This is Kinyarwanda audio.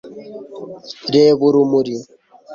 reba urumuri